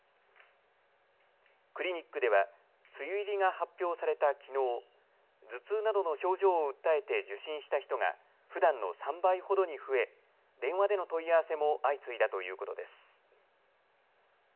クリニックでは梅雨入りが発表されたきのう、頭痛などの症状を訴えて受診した人がふだんの３倍ほどに増え電話での問い合わせも相次いだということです。